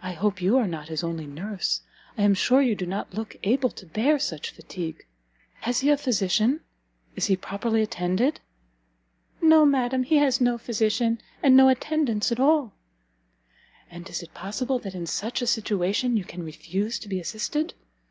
"I hope you are not his only nurse? I am sure you do not look able to bear such fatigue. Has he a physician? Is he properly attended?" "No, madam; he has no physician, and no attendance at all!" "And is it possible that in such a situation you can refuse to be assisted?